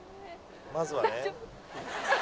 「まずはね」